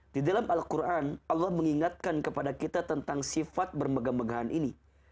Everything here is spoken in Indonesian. di dalam al quran allah mengingatkan kepada kita tentang sifat yang berbohong